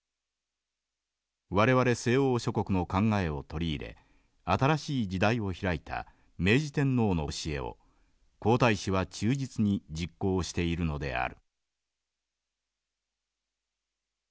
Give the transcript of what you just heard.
我々西欧諸国の考えを取り入れ新しい時代を開いた明治天皇の教えを皇太子は忠実に実行しているのである」。